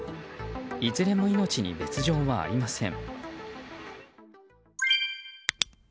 いずれも命に別条はありません。